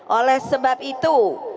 oleh sebab itu